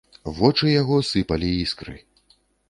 Вочы яго сыпалі іскры.